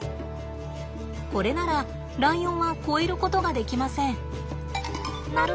これならライオンは越えることができません。